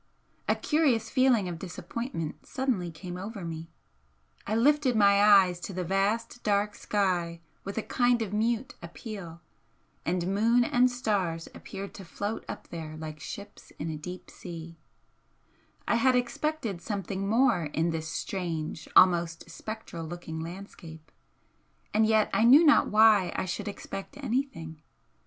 A curious feeling of disappointment suddenly came over me, I lifted my eyes to the vast dark sky with a kind of mute appeal and moon and stars appeared to float up there like ships in a deep sea, I had expected something more in this strange, almost spectral looking landscape, and yet I knew not why I should expect anything.